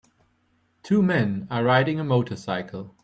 Two men are riding a motorcycle.